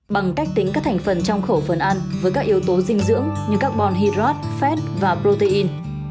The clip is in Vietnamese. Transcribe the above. bằng cách tính các thành phần trong khẩu phần ăn với các yếu tố dinh dưỡng như carbon hydrat fed và protein